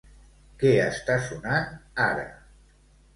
Què està sonant ara?